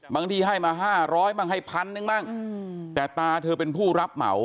บางทีให้มา๕๐๐บาทบางทีให้๑๐๐๐บาทแต่ตาเธอเป็นผู้รับเหมา